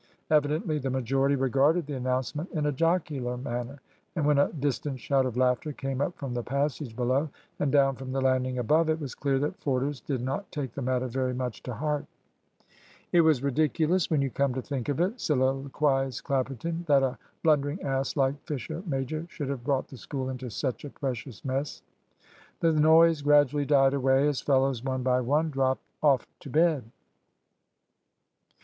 Evidently the majority regarded the announcement in a jocular manner; and when a distant shout of laughter came up from the passage below, and down from the landing above, it was clear that Forders did not take the matter very much to heart. "It was ridiculous, when you come to think of it," soliloquised Clapperton, "that a blundering ass like Fisher major should have brought the School into such a precious mess." The noise gradually died away as fellows one by one dropped of to bed.